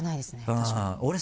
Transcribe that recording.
確かに。